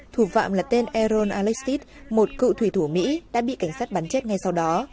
thủ phạm là tên aeroon alexit một cựu thủy thủ mỹ đã bị cảnh sát bắn chết ngay sau đó